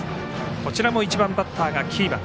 こちらも１番バッターがキーマン。